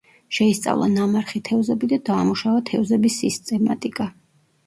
შეისწავლა ნამარხი თევზები და დაამუშავა თევზების სისტემატიკა.